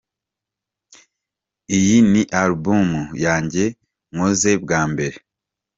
Iyi ni Album yanjye nkoze bwa mbere.